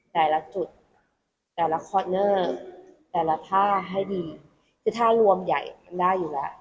แต่ละจุดแต่ละคอสเนอร์แต่ละท่าให้ดีคือถ้ารวมใหญ่ได้อยู่แล้ว